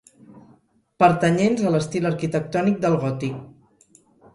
Pertanyents a l'estil arquitectònic del gòtic.